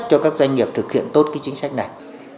cho các doanh nghiệp thực hiện tốt cái chính sách này